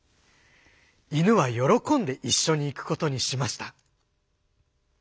犬は喜んで一緒に行くことにしました。